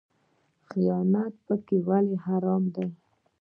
خیانت پکې ولې حرام دی؟